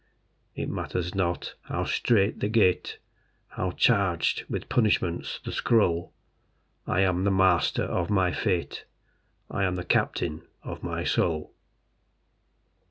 It matters not how strait the gate, How charged with punishments the scroll, I am the master of my fate: I am the captain of my soul.